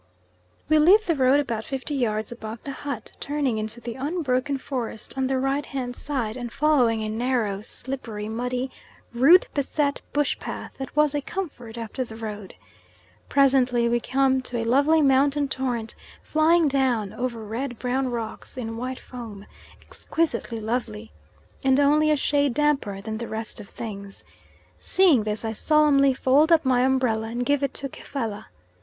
We leave the road about fifty yards above the hut, turning into the unbroken forest on the right hand side, and following a narrow, slippery, muddy, root beset bush path that was a comfort after the road. Presently we come to a lovely mountain torrent flying down over red brown rocks in white foam; exquisitely lovely, and only a shade damper than the rest of things. Seeing this I solemnly fold up my umbrella and give it to Kefalla.